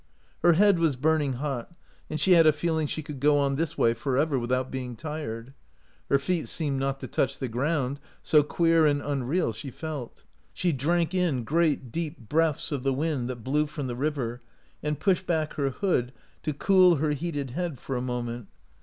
Her head was burning hot, and she had a feeling she could go on this way forever without being tired ; her feet seemed not to touch the ground, so queer and unreal she felt. She drank in great, deep breaths of the wind that blew from the river, and pushed back her hood to cool her heated head for a moment.